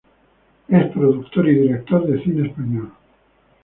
Es productor y director de cine español.